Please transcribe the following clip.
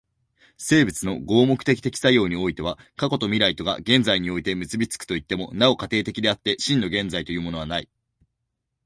生物の合目的的作用においては過去と未来とが現在において結び付くといっても、なお過程的であって、真の現在というものはない。